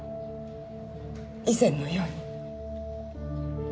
以前のように。